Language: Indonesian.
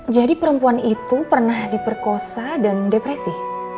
jadi perempuan itu pernah diperkosa dan depresi